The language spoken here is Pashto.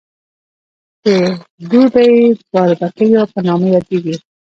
د دوبۍ باربکیو په نامه یادېږي.